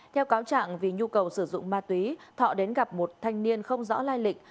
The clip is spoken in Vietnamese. theo cáo trạng vì nhu cầu sử dụng ma túy thọ đến gặp một thanh niên không rõ lai lịch